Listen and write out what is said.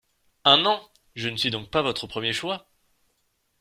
Un an? Je ne suis donc pas votre premier choix ?